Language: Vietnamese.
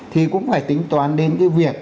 thì cũng phải tính toán đến cái việc